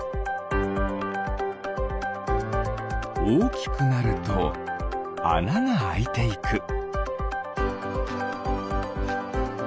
おおきくなるとあながあいていく。